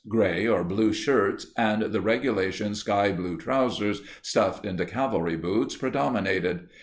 gray or blue shirts, and the regulation sky blue trousers stuffed into cavalry boots predominated.